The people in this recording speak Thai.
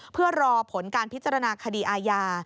เพื่อรอผลการพิจารณาคดีอาญา